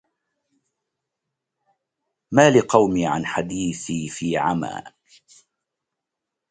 ما لقومي عن حديثي في عما